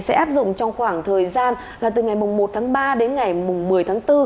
sẽ áp dụng trong khoảng thời gian là từ ngày một tháng ba đến ngày một mươi tháng bốn